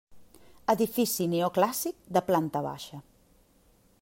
Edifici neoclàssic de planta baixa.